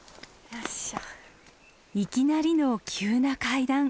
いきなりの急な階段。